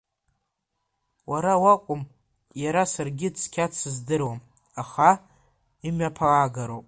Уара уакәым, иара саргьы цқьа дсыздыруам, аха имҩаԥаагароуп.